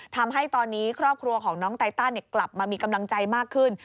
ทำให้ตอนนี้ครอบครัวของน้องไตตันกลับมามีกำลังใจมากขึ้น